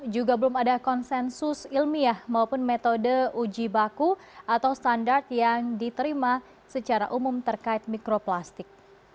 juga belum ada konsensus ilmiah maupun metode uji baku atau standar yang diterima secara umum terkait mikroplastik